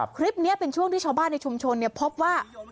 คลิปนี้เป็นช่วงที่ชาวบ้านในชุมชนพบว่า